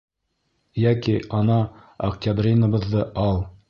Йәки ана Октябринабыҙҙы ал.